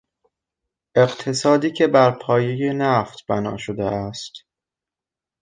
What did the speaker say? اقتصادی که بر پایهی نفت بنا شده است